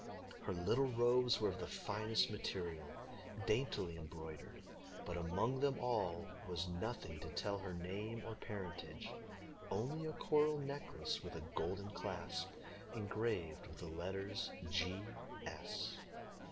Her little robes were of the finest material, daintily embroidered, but among them all there was nothing to tell her name or parentage, only a coral necklace with a golden clasp, engraved with the letters "G. S."